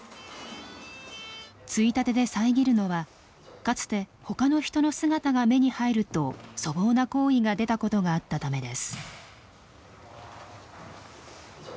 ついたてで遮るのはかつて他の人の姿が目に入ると粗暴な行為が出たことがあったためです。